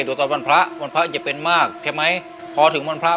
สามีก็ต้องพาเราไปขับรถเล่นดูแลเราเป็นอย่างดีตลอดสี่ปีที่ผ่านมา